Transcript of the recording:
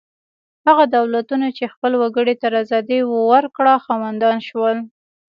هغو دولتونو چې خپلو وګړو ته ازادي ورکړه خاوندان شول.